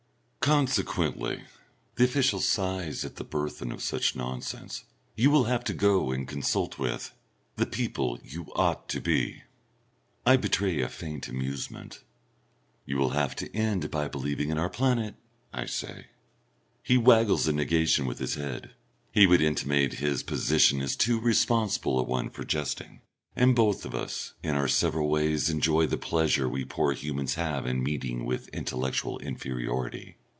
"Consequently" the official sighs at the burthen of such nonsense, "you will have to go and consult with the people you ought to be." I betray a faint amusement. "You will have to end by believing in our planet," I say. He waggles a negation with his head. He would intimate his position is too responsible a one for jesting, and both of us in our several ways enjoy the pleasure we poor humans have in meeting with intellectual inferiority.